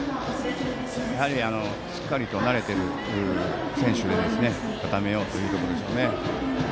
やはりしっかりと慣れている選手で固めようというところでしょうね。